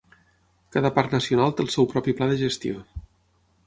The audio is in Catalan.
Cada parc nacional té el seu propi pla de gestió.